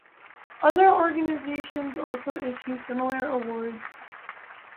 Other organisations also issue similar awards.